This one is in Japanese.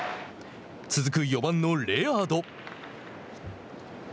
続く４番のレアード。